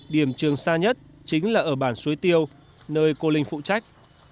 điểm trường xa nhất chính là ở bản suối tiêu nơi cô linh phụ trách